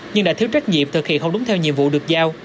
nhưng đã thiếu trách nhiệm thực hiện không đúng theo nhiệm vụ được giao